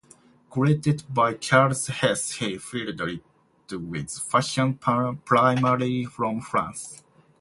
Created by Charles Hess, he filled it with fashions primarily from France.